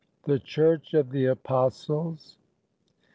THE CHURCH OF THE APOSTLES.